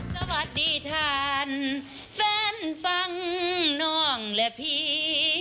สวัสดีท่านแฟนฟังน้องและผี